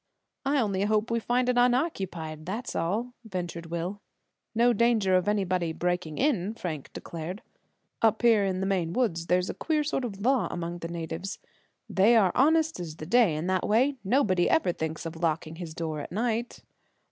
"I only hope we find it unoccupied, that's all," ventured Will. "No danger of anybody breaking in," Frank declared. "Up here in the Maine woods there's a queer sort of law among the natives. They are honest as the day in that way. Nobody ever thinks of locking his door at night."